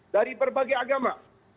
dari berbagai agama